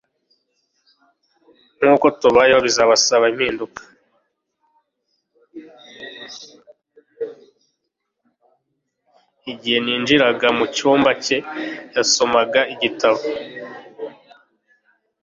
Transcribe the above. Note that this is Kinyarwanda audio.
Igihe ninjiraga mu cyumba cye yasomaga igitabo